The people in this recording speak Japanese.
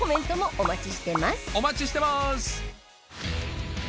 お待ちしてます！